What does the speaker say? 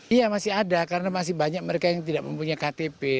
iya masih ada karena masih banyak mereka yang tidak mempunyai ktp